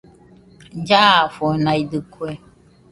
Llafonaidɨkue